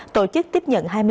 tổ chức tiếp nhận